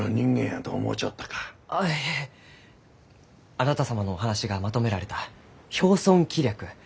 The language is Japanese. あなた様のお話がまとめられた「漂巽紀畧」